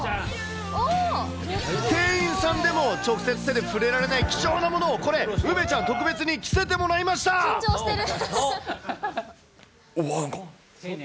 店員さんでも直接手で触れられない、貴重なものを、これ、梅ちゃん、特別に着せてもらいま緊張してる。